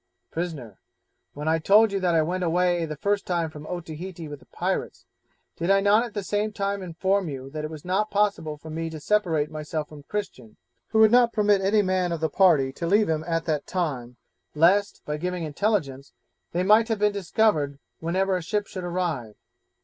Prisoner 'When I told you that I went away the first time from Otaheite with the pirates, did I not at the same time inform you that it was not possible for me to separate myself from Christian, who would not permit any man of the party to leave him at that time, lest, by giving intelligence, they might have been discovered whenever a ship should arrive?'